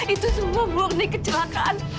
itu semua murni kecelakaan